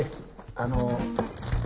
あの。